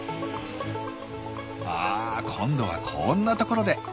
あ今度はこんなところで。